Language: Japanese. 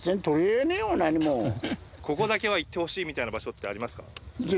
ここだけは行ってほしいみたいな場所ってありますか？